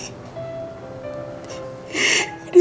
ini semua salah aku